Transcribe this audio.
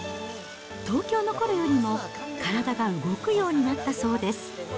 東京のころよりも体が動くようになったそうです。